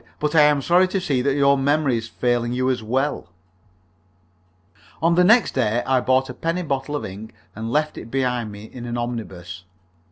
"But I am sorry to see that your memory is failing you as well." On the next day I bought a penny bottle of ink and left it behind me in an omnibus.